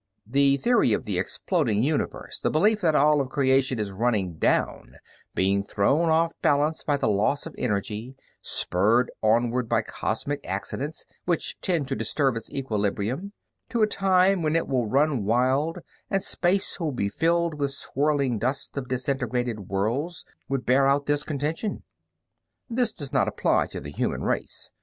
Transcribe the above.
The theory of the exploding universe, the belief that all of creation is running down, being thrown off balance by the loss of energy, spurred onward by cosmic accidents which tend to disturb its equilibrium, to a time when it will run wild and space will be filled with swirling dust of disintegrated worlds, would bear out this contention. "This does not apply to the human race.